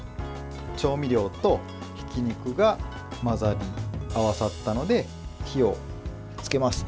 調味料とひき肉が混ざり合わさったので火をつけます。